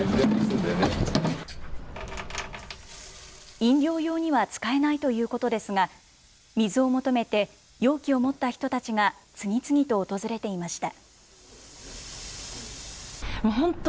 飲料用には使えないということですが、水を求めて、容器を持った人たちが次々と訪れていました。